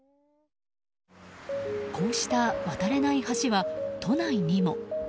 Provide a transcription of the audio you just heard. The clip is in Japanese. こうした渡れない橋は都内にも。